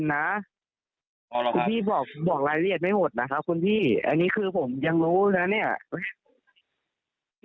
ยังไม่ได้ดูเลยครับ